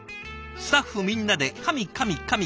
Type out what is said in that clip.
スタッフみんなでカミカミカミ」。